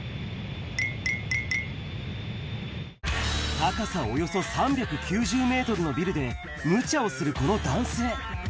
高さおよそ３９０メートルのビルで、無茶をするこの男性。